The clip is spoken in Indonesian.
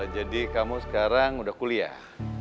jadi kamu sekarang udah kuliah